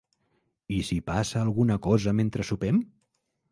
I si pasa alguna cosa mentre sopem?